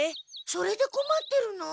それでこまってるの？